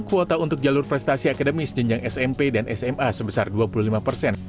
kuota untuk jalur prestasi akademis jenjang smp dan sma sebesar dua puluh lima persen